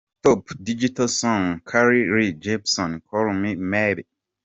Top Digital Song: Carly Rae Jepsen "Call Me Maybe".